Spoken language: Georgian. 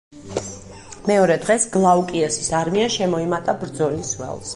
მეორე დღეს გლაუკიასის არმია შემოემატა ბრძოლის ველს.